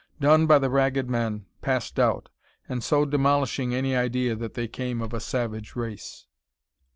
Done by the Ragged Men, past doubt, and so demolishing any idea that they came of a savage race.